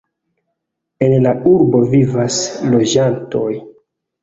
En la urbo vivas loĝantoj.